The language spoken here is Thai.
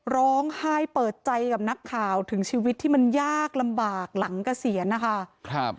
ร้องไห้เปิดใจกับนักข่าวถึงชีวิตที่มันยากลำบากหลังเกษียณนะคะ